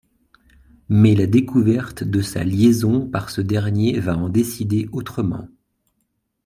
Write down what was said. Mais la découverte de sa liaison par ce dernier va en décider autrement.